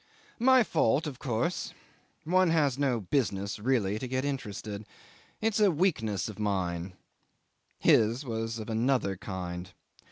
'My fault of course. One has no business really to get interested. It's a weakness of mine. His was of another kind.